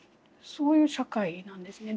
そういう社会なんですね。